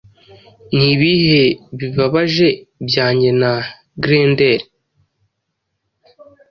Nibihe bibabaje byanjye na Grendel